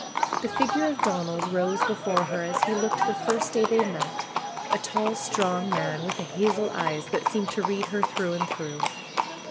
The figure of Donald rose before her, as he looked the first day they met; a tall, strong man, with hazel eyes that seemed to read her through and through.